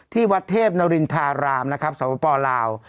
ที่วัดเทพนรินทารามนะครับสวปลาว